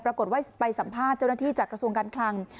ปรากฏว่าไปสัมภาษณ์เจ้าหน้าที่จากกระทรวงการคลัง